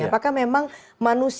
apakah memang manusia itu memang menangis